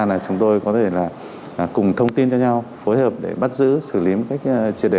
thì chúng tôi có thể là cùng thông tin cho nhau phối hợp để bắt giữ xử lý một cách chia đề